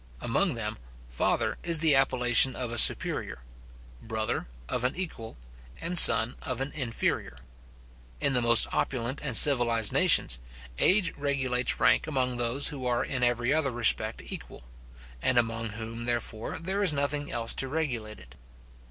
Among them, father is the appellation of a superior; brother, of an equal; and son, of an inferior. In the most opulent and civilized nations, age regulates rank among those who are in every other respect equal; and among whom, therefore, there is nothing else to regulate it.